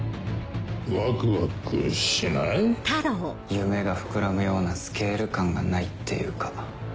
夢が膨らむようなスケール感がないっていうか。